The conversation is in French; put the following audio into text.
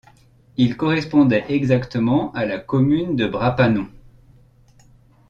Il correspondait exactement à la commune de Bras-Panon.